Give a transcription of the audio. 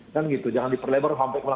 kan gitu jangan diperlebar sampai kemana mana